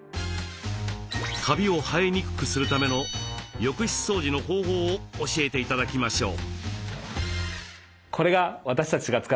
カビを生えにくくするための浴室掃除の方法を教えて頂きましょう。